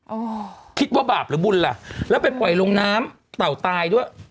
อ๋อคิดว่าบาปหรือบุญล่ะแล้วไปปล่อยลงน้ำเต่าตายด้วย